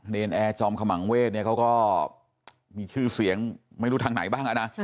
แอร์จอมขมังเวศเนี่ยเขาก็มีชื่อเสียงไม่รู้ทางไหนบ้างนะ